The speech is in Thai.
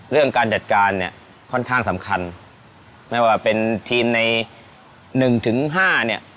เรื่องการจัดการเนี่ยค่อนข้างสำคัญไม่ว่าเป็นทีมในหนึ่งถึงห้าเนี่ย